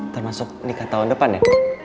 termasuk nikah tahun depan ya